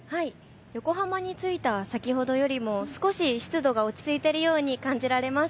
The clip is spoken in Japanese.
横浜に着いた先ほどよりも少し湿度が落ち着いているように感じられます。